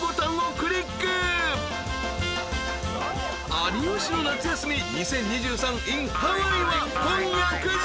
［『有吉の夏休み２０２３ｉｎＨａｗａｉｉ』は今夜９時］